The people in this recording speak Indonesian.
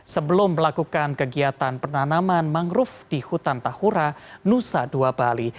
sebelum melakukan kegiatan penanaman mangrove di hutan tahura nusa dua bali